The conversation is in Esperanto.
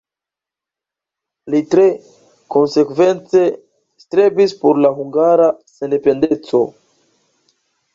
Li tre konsekvence strebis por la hungara sendependeco.